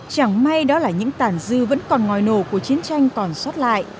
chẳng may đó là những tàn dư vẫn còn ngòi nổ của chiến tranh còn xót lại